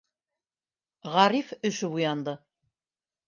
Ғариф өшөп уянды.